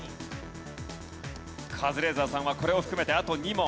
カズレーザーさんはこれを含めてあと２問。